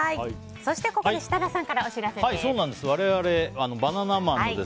そして、ここで設楽さんからお知らせです。